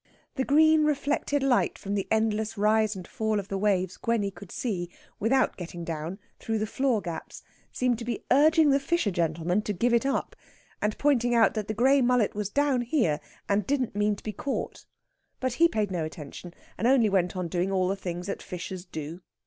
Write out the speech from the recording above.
The green reflected light from the endless rise and fall of the waves Gwenny could see (without getting down) through the floor gaps, seemed to be urging the fisher gentleman to give it up, and pointing out that the grey mullet was down here, and didn't mean to be caught. But he paid no attention, and only went on doing all the things that fishers do.